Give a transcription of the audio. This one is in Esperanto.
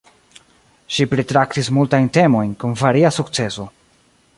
Ŝi pritraktis multajn temojn, kun varia sukceso.